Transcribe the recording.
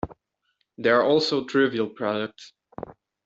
There are also trivial products.